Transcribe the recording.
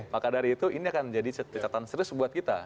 maka dari itu ini akan menjadi catatan serius buat kita